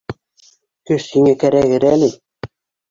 Көс һиңә кәрәгер әле...